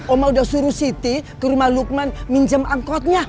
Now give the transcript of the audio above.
oma udah suruh siti ke rumah lukman minjem angkotnya